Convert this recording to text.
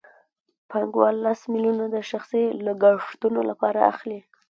پانګوال لس میلیونه د شخصي لګښتونو لپاره اخلي